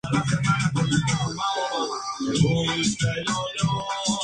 Además, tiene una beca mensual para su estabilidad financiera.